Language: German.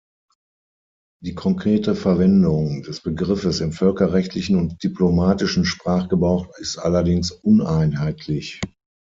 Die konkrete Verwendung des Begriffes im völkerrechtlichen und diplomatischen Sprachgebrauch ist allerdings uneinheitlich.